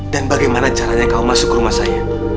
dan bagaimana caranya kamu masuk ke rumah saya